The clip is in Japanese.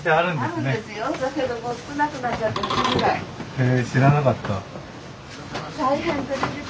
へえ知らなかった。